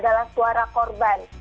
adalah suara korban